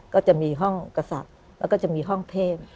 ก็จะมีห้องกษัตริย์แล้วก็จะมีห้องเทพ